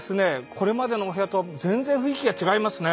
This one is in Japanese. これまでのお部屋とは全然雰囲気が違いますねえ。